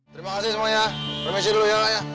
terima kasih semuanya permisi dulu ya